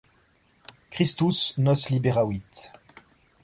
Christus nos liberavit